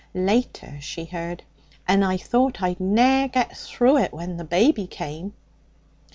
Later, she heard, 'And I thought I'd ne'er get through it when baby came.'